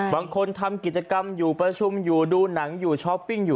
บางคนทำกิจกรรมอยู่ประชุมอยู่ดูหนังอยู่ช้อปปิ้งอยู่